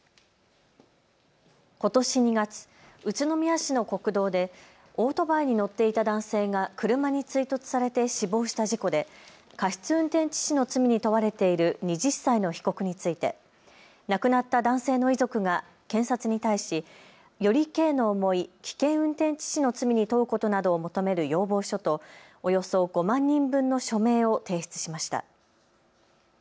ことし２月、宇都宮市の国道でオートバイに乗っていた男性が車に追突されて死亡した事故で過失運転致死の罪に問われている２０歳の被告について亡くなった男性の遺族が検察に対しより刑の重い危険運転致死の罪に問うことなどを求める要望書とおよそ５万人分の署名を提出しました。